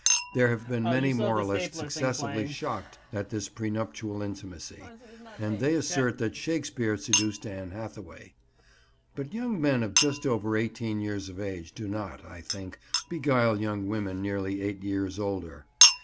There have been many moralists excessively shocked at this pre nuptial intimacy, and they assert that Shakespeare seduced Anne Hathaway. But young men of just over eighteen years of age do not, I think, beguile young women nearly eight years older.